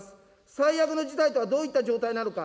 最悪の事態とはどういった状態なのか。